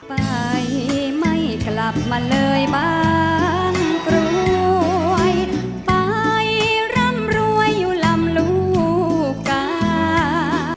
ไปไม่กลับมาเลยบ้านกรวยไปร่ำรวยอยู่ลำลูกกา